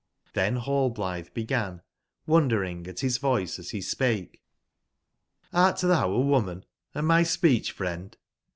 Hhen Rallblithe began, wondering at his voice as he spake: ''Hrt thou a wo I man and my speech/friend